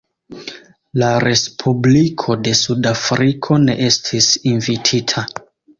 La Respubliko de Sudafriko ne estis invitita.